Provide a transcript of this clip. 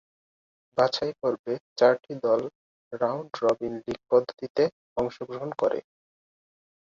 বাছাই পর্বে চারটি দল রাউন্ড রবিন লীগ পদ্ধতিতে অংশগ্রহণ করে।